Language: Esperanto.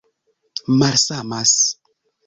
malsamas